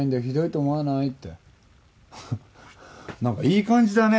なんかいい感じだね。